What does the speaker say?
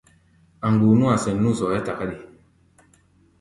A̧ mgbuu nú-a sɛn nú zɔɔ-ɛ́ɛ́ takáɗi.